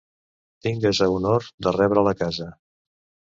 Tingues a honor de rebre'l a casa.